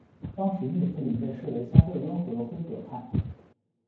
当时密夫林被视为相对温和的辉格派。